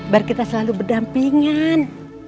biar kita selalu berdampingan